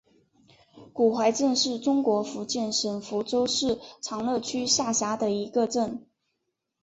古槐镇是中国福建省福州市长乐区下辖的一个镇。